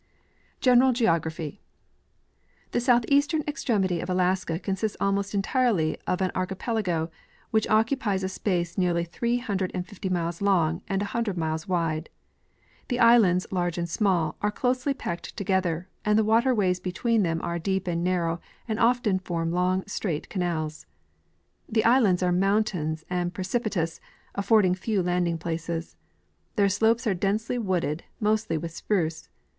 General Geography. ' The southeastern extremity of Alaska consists almost entirely of an archipelago, which occupies a space nearly three hundred and fifty miles long and a hundred miles wide. The islands, large and small, are closely packed together, and the Avaterways between them are deep and narrow, and often form long straight canals. The islands are mountainous and precipitous, affording few landing places. Their slopes are densely wooded, mostly with spruce.